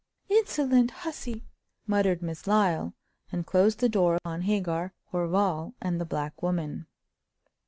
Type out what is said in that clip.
"Insolent hussy!" muttered Miss Lyle, and closed the door on Hagar, Horval and the black woman.